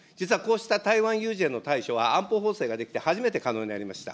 実はこうした台湾有事への対処は安保法制が出来て初めて可能になりました。